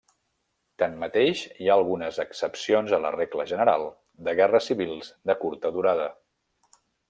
Tanmateix, hi ha algunes excepcions a la regla general de guerres civils de curta durada.